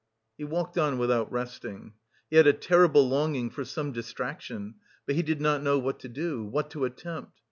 He walked on without resting. He had a terrible longing for some distraction, but he did not know what to do, what to attempt.